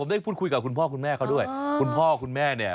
มีอยู่บ้างครับ